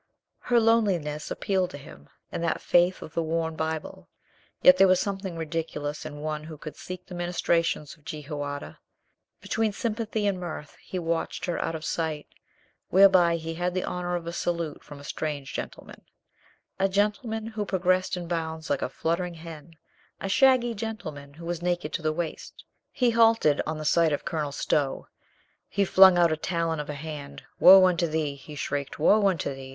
Her loneliness appealed to him, and that faith of the worn Bible, yet there was something ridiculous in one who could seek the ministrations of Jehoiada. Between sympathy and mirth he watched her out of sight. Whereby he had the honor of a salute from a strange gentleman, a gentleman who progressed in bounds, like a fluttering hen, a shaggy gentleman who was naked to the waist He halted on the sight 77. 78 COLONEL GREATHEART of Colonel Stow; he flung out a talon of a hand. "Woe unto thee!" he shrieked, "Woe unto thee!